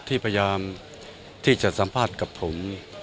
พยายามที่จะสัมภาษณ์กับผม